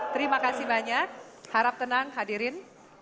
terima kasih banyak harap tenang hadirin